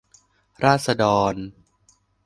ราษฎร